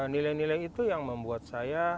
nilai nilai itu yang membuat saya